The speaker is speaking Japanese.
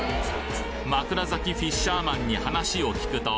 枕崎フィッシャーマンに話を聞くと。